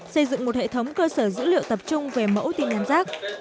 sở dữ liệu tập trung về mẫu tin nhắn rác